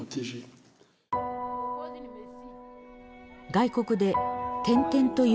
外国で転々と居